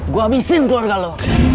gue habisin keluarga lo